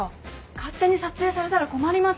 勝手に撮影されたら困ります！